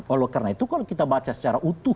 oleh karena itu kalau kita baca secara utuh